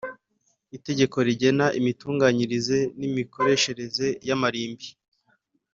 Itegeko rigena imitunganyirize n imikoreshereze y amarimbi